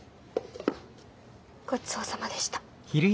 ごちそうさまでした。